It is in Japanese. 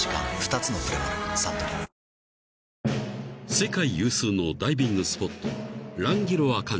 ［世界有数のダイビングスポット］